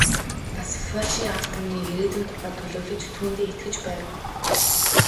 Бас польшийн ард түмний ирээдүйн тухай төлөвлөж, түүндээ итгэж байв.